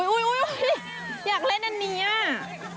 อุ๊ยอยากเล่นอันนี้อ่ะ